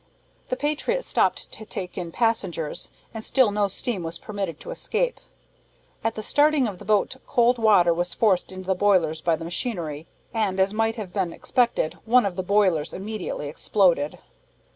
The Patriot stopped to take in passengers, and still no steam was permitted to escape. At the starting of the boat cold water was forced into the boilers by the machinery, and, as might have been expected, one of the boilers immediately exploded.